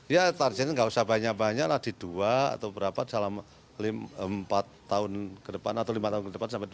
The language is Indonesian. ya targetnya nggak usah banyak banyak lah di dua atau berapa dalam empat tahun ke depan atau lima tahun ke depan sampai dua ribu